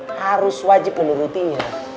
harus wajib menurutinya